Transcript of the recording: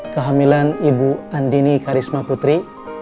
kehamilan ibu andini karisma putri